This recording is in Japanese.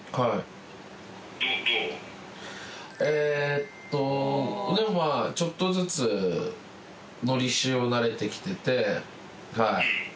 えっとでもまぁちょっとずつのりしおなれてきててはい。